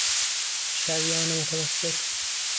شریان متوسط